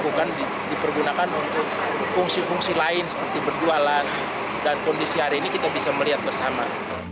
bukan dipergunakan untuk fungsi fungsi lain seperti berjualan dan kondisi hari ini kita bisa melihat bersama